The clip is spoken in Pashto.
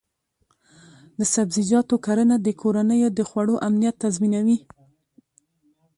د سبزیجاتو کرنه د کورنیو د خوړو امنیت تضمینوي.